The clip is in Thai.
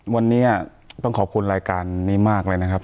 วันนี้ต้องขอบคุณรายการนี้มากเลยนะครับ